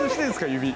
指。